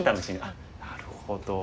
なるほど。